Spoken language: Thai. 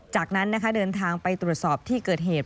จากนั้นเดินทางไปตรวจสอบที่เกิดเหตุ